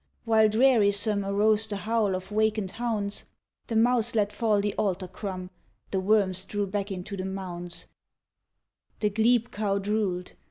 While drearisome Arose the howl of wakened hounds: The mouse let fall the altar crumb, The worms drew back into the mounds, The glebe cow drooled.